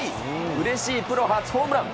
うれしいプロ初ホームラン。